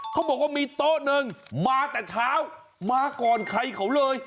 เขาบอกว่ามีโต๊ะหนึ่งมาแต่เช้ามาก่อนใครเขาเลย